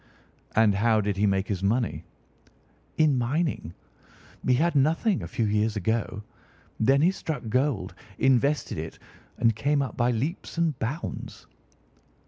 "And how did he make his money?" "In mining. He had nothing a few years ago. Then he struck gold, invested it, and came up by leaps and bounds."